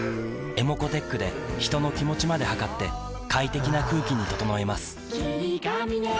ｅｍｏｃｏーｔｅｃｈで人の気持ちまで測って快適な空気に整えます